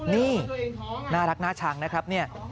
นี่หน้ารักหน้าชังนะครับ